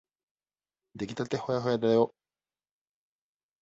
できたてほやほやだよ。